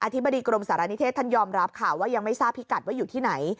ธิบดีกรมสารณิเทศท่านยอมรับค่ะว่ายังไม่ทราบพิกัดว่าอยู่ที่ไหน